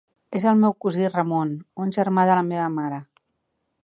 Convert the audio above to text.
És el meu cosí Ramon, un germà de la meva mare.